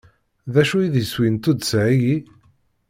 D acu i d iswi n tuddsa-agi?